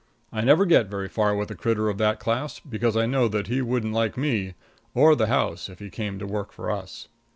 I never get very far with a critter of that class, because I know that he wouldn't like me or the house if he came to work for us.